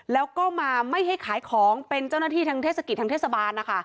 แล้วก็มาไม่ให้ขายของเป็นเจ้าหน้าที่ทางเทศกิจทางเทศบาลนะคะ